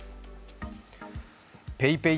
ＰａｙＰａｙ